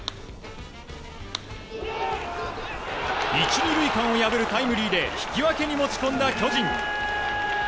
１、２塁間を破るタイムリーで引き分けに持ち込んだ巨人。